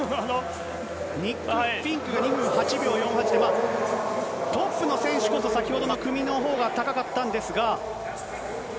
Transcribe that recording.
ニック・フィンクが２分８秒４８、トップの選手こそ、先ほどの組のほうが高かったんですが。